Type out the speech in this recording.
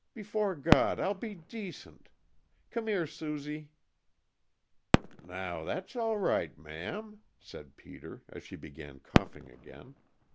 Before God, I'll be decent. Come here, Susie!" "Now, that's all right, ma'am," said Peter, as she began coughing again.